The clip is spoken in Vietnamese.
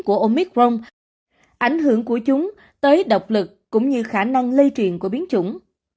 của omicron ảnh hưởng của chúng tới độc lực cũng như khả năng lây truyền của biến chủng